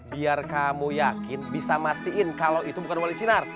biar kamu yakin bisa mastiin kalau itu bukan wali sinar